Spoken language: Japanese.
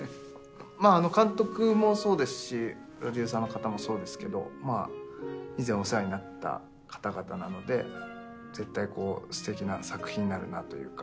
監督もそうですしプロデューサーの方もそうですけど以前お世話になった方々なので絶対すてきな作品になるなというか。